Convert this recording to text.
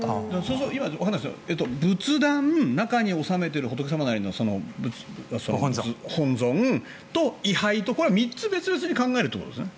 今、仏壇中に納めている仏様がいるのは本尊、それと位牌と、これは３つ別々に考えるということですね。